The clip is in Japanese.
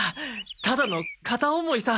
ただの片思いさ。